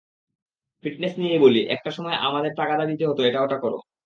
Fitness নিয়েই বলি, একটা সময় আমাদের তাগাদা দিতে হতো এটা-ওটা করো।